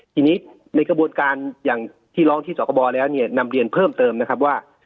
ทีนี้ในกระบวนการอย่างที่ร้องที่สกบแล้วเนี่ยนำเรียนเพิ่มเติมนะครับว่า